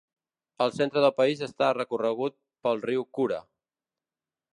El centre del país està recorregut pel riu Kura.